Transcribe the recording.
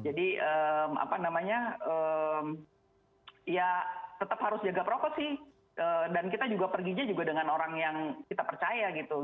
jadi apa namanya ya tetap harus jaga progres sih dan kita juga perginya juga dengan orang yang kita percaya gitu